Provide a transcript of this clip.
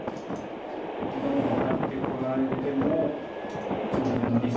どんどんハッてこられても上辺の２線オサエ